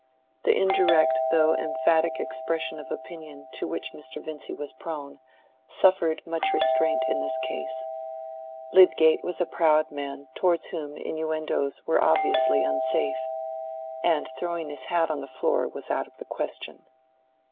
The indirect though emphatic expression of opinion to which Mr. Vincy was prone suffered much restraint in this case: Lydgate was a proud man towards whom innuendoes were obviously unsafe, and throwing his hat on the floor was out of the question.